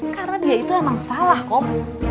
karena dia itu emang salah kum